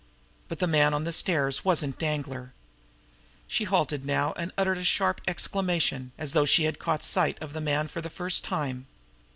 But the man on the stairs wasn't Danglar. She halted now and uttered a sharp exclamation, as though she had caught sight of the man for the first time.